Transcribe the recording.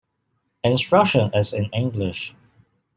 Instruction is in English.